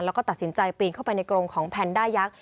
แล้วก็ตัดสินใจปีนเข้าไปในกรงของแพนด้ายักษ